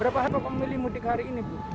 berapa hari kok pemilih mudik hari ini